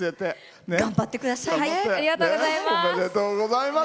頑張ってくださいね。